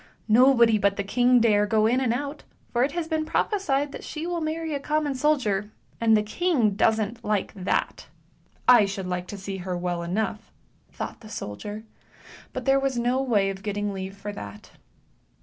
Nobody but the king dare go in and out, for it has been prophesied that she will marry a common soldier, and the king doesn't like that !" 266 ANDERSEN'S FAIRY TALES " I should like to see her well enough! " thought the soldier. But there was no way of getting leave for that.